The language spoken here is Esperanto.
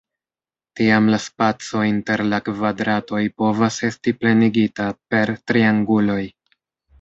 Tiam la spaco inter la kvadratoj povas esti plenigita per trianguloj.